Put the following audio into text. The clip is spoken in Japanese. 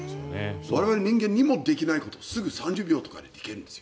我々人間にもできないことを３０秒とかでできるんですよ。